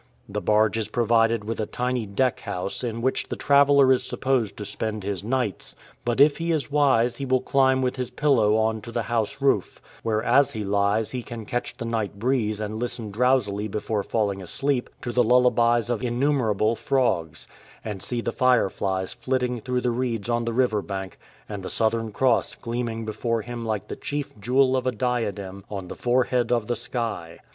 The barge is provided with a tiny deck house in which 133 LAKE NYASA the traveller is supposed to spend his nights, but if he is wise he will climb with his pillow on to the house roof, where as he lies he can catch the night breeze and listen drowsily before falling asleep to the lullabies of innumerable frogs, and see the fireflies flitting through the reeds on the river bank and the Southern Cross gleaming before him like the chief jewel of a diadem on " the forehead of the sky.''